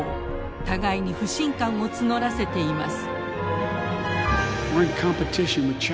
互いに不信感を募らせています。